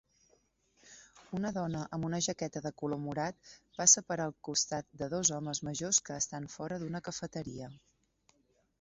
Una dona amb una jaqueta de color morat passa per al costat de dos homes majors que estan fora d'una cafeteria